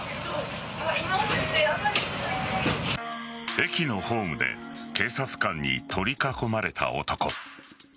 駅のホームで警察官に取り囲まれた男。